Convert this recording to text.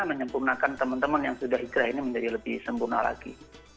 menyempurnakan teman teman yang sudah hikrah ini menjadi lebih sempurna lagi